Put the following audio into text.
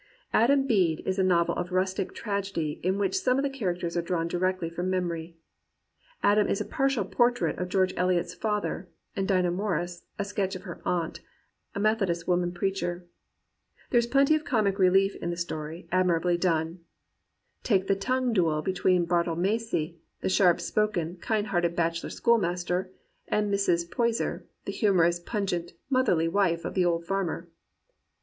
Adam Bede is a novel of rustic tragedy in which some of the characters are drawn directly from memory. Adam is a partial portrait of George Eliot's father, and Dinah Morris a sketch of her aunt, a Methodist woman preacher. There is plenty of comic relief in the story, admirably done. 151. GEORGE ELIOT AND REAL WOMEN Take the tongue duel between Bartle Massey, the sharp spoken, kind hearted bachelor schoolmaster, and Mrs. Poyser, the humorous, pungent, motherly wife of the old farmer.